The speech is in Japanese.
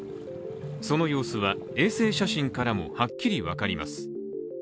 その様子は、衛星写真からもはっきり分かります。